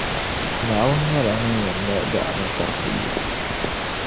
Naawuni nyεla ŋun yεn mali ba ansarisi yo.